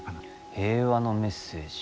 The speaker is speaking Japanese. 平和のメッセージ。